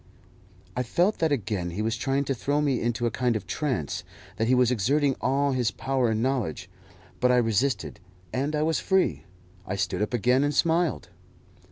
I felt that again he was trying to throw me into a kind of trance, that he was exerting all his power and knowledge; but I resisted, and I was free. I stood up again and smiled.